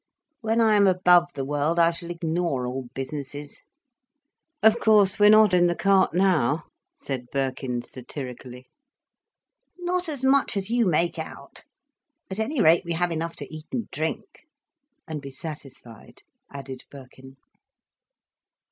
When I am above the world, I shall ignore all businesses." "Of course, we're not in the cart now," said Birkin, satirically. "Not as much as you make out. At any rate, we have enough to eat and drink—" "And be satisfied," added Birkin.